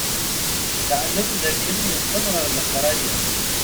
Teɛlem d akken yeqqen ɣer leqraya.